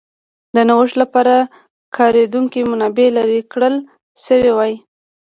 د نوښت لپاره کارېدونکې منابع لرې کړل شوې وای.